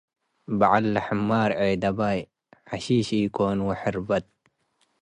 በዐል ለሕማር ዔደባይ ሐሺሽ ኢኮን ወሕርበት